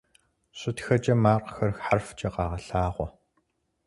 ЩытхэкӀэ макъхэр хьэрфкӀэ къагъэлъагъуэ.